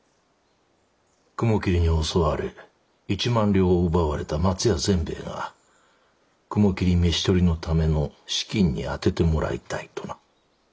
雲霧に襲われ１万両を奪われた松屋善兵衛が雲霧召し捕りのための資金に充ててもらいたいとな。